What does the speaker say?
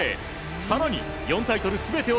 更に、４タイトル全てを